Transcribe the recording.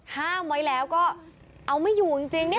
ห้ามไว้แล้วก็เอาไม่อยู่จริงจริงเนี่ย